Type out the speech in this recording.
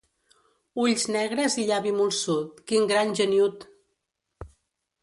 Ulls negres i llavi molsut, quin gran geniüt!